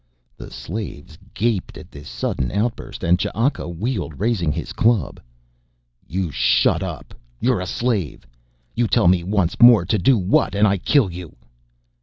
The slaves gaped at this sudden outburst and Ch'aka wheeled raising his club. "You shut up. You're a slave. You tell me once more to do what and I kill you."